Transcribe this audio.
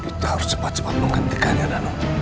kita harus cepat cepat menghentikannya danau